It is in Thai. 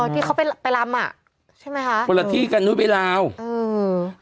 อ๋อที่เขาไปลำอ่ะใช่ไหมคะบริษฐีกันด้วยไปลาวอืม